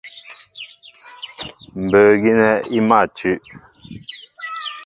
Mbə̌ gínɛ́ í mâ tʉ́.